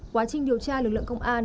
quá trình điều tra lực lượng công an